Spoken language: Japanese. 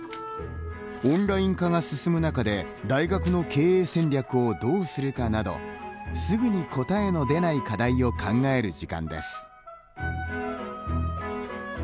オンライン化が進む中で大学の経営戦略をどうするかなどすぐに答えの出ない課題を考える時間です。